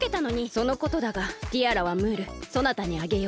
そのことだがティアラはムールそなたにあげよう。